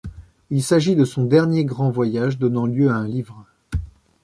Il s'agit de son dernier grand voyage donnant lieu à un livre.